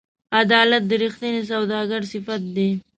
عدالت د رښتیني سوداګر صفت دی.